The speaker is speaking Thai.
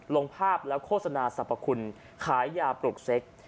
ลงภาพแล้วโฆษณาสรรพคุณขายยาปลูกเซ็ก